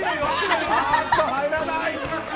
入らない！